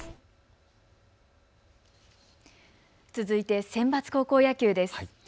続いてセンバツ高校野球です。